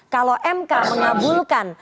kalau mk mengabulkan